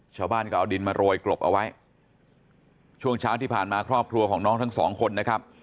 ชาวบ้านก็เอาดินมาโรยกลบเอาไว้ช่วงเช้าที่ผ่านมาครอบครัวของน้องทั้งสองคนนะครับ